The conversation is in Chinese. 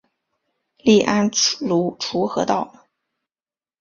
隶安庐滁和道。